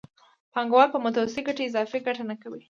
پانګوال په متوسطې ګټې اضافي ګټه نه کوي